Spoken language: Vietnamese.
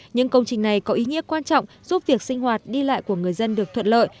những công trình này có ý nghĩa quan trọng giúp việc sinh hoạt đi lại của người dân được thuận lợi